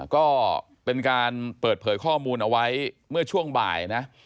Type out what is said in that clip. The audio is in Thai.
ก็เป็นการเปิดเผยข้อมูลเอาไว้เมื่อช่วงบ่ายนะ